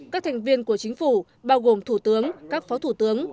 các thành viên của chính phủ bao gồm thủ tướng các phó thủ tướng